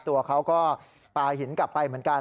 ตัวเขาก็ปลาหินกลับไปเหมือนกัน